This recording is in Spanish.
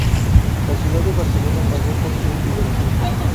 La ciudad de Barcelona pagó por su liberación.